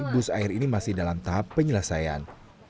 bus air ini masih dalam tahap penyelesaian